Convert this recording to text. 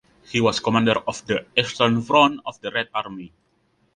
He was commander of the Eastern Front of the Red Army.